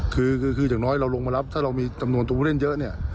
คืออย่างน้อยเราลงมารับถ้าเรามีจำนวนตัวผู้เล่นเยอะเนี่ย